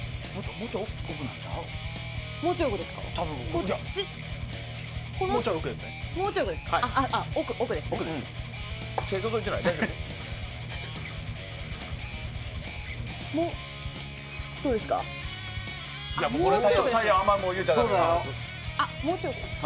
もうちょい奥ですね。